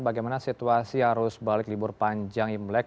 bagaimana situasi arus balik libur panjang imlek